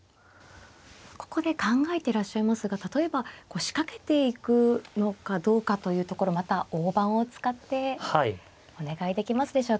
ここで考えていらっしゃいますが例えば仕掛けていくのかどうかというところまた大盤を使ってお願いできますでしょうか。